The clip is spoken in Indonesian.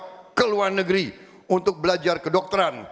kita akan beri beasiswa kepada negara negara untuk belajar kedokteran